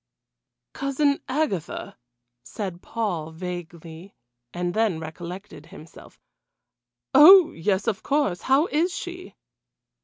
"Cousin Agatha!" said Paul vaguely, and then recollected himself. "Oh, yes, of course how is she?"